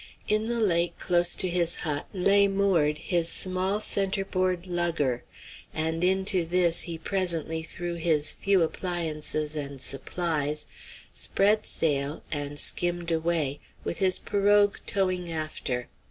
In the lake, close to his hut, lay moored his small centerboard lugger, and into this he presently threw his few appliances and supplies, spread sail, and skimmed away, with his pirogue towing after.